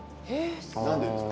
何でですか？